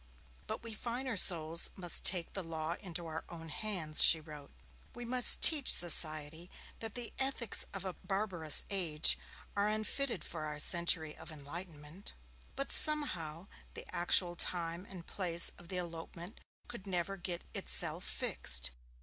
'But we finer souls must take the law into our own hands,' she wrote. 'We must teach society that the ethics of a barbarous age are unfitted for our century of enlightenment.' But somehow the actual time and place of the elopement could never get itself fixed.